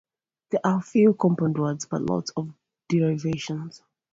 There are few compound words, but lots of derivations.